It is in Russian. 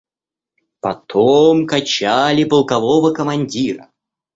Потом качали полкового командира.